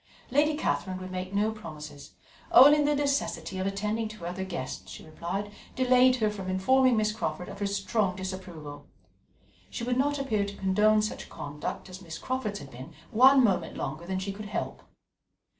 Lady Catherine would make no promises. Only the necessity of attending to her other guests, she replied, delayed her from informing Miss Crawford of her strong disapproval. She would not appear to condone such conduct as Miss Crawford's had been one moment longer than she could help.